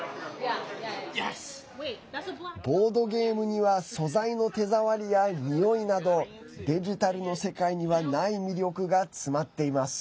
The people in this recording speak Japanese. ボードゲームには素材の手触りやにおいなどデジタルの世界にはない魅力が詰まっています。